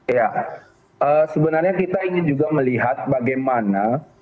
ya sebenarnya kita ingin juga melihat bagaimana